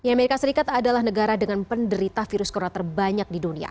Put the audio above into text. amerika serikat adalah negara dengan penderita virus corona terbanyak di dunia